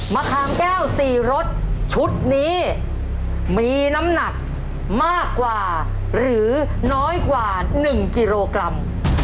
มะขามแก้ว๔รสชุดนี้มีน้ำหนักมากกว่าหรือน้อยกว่า๑กิโลกรัม